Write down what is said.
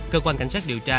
cơ quan cảnh sát điều tra